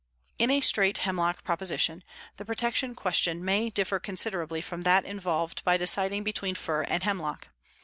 In a straight hemlock proposition, the protection question may differ considerably from that involved by deciding between fir and hemlock.